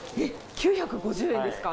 ９５０円ですか？